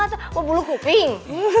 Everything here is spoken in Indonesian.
ya gak tau wah bulu kuping